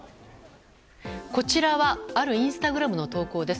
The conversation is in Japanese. こちらはあるインスタグラムの投稿です。